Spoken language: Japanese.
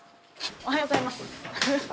おはようございます。